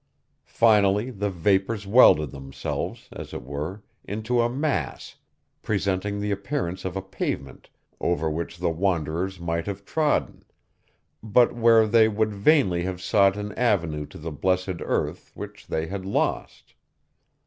Finally, the vapors welded themselves, as it were, into a mass, presenting the appearance of a pavement over which the wanderers might have trodden, but where they would vainly have sought an avenue to the blessed earth which they had lost.